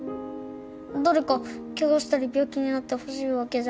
誰かケガしたり病気になってほしいわけじゃないけど。